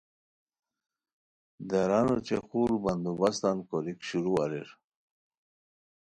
دار ان اوچے خور بندوبستان کوریک شروع اریر